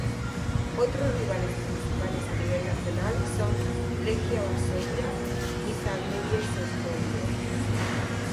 Otros rivales principales a nivel nacional son Legia Varsovia y Zagłębie Sosnowiec.